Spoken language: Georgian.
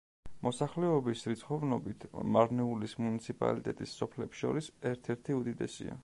მოსახლეობის რიცხოვნობით მარნეულის მუნიციპალიტეტის სოფლებს შორის ერთ-ერთი უდიდესია.